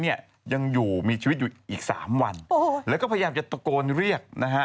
เนี่ยยังอยู่มีชีวิตอยู่อีกสามวันแล้วก็พยายามจะตะโกนเรียกนะฮะ